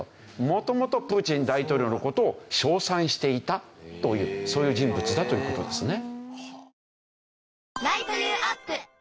元々プーチン大統領の事を称賛していたというそういう人物だという事ですね。